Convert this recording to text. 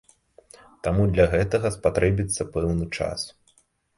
Таму для гэтага спатрэбіцца пэўны час.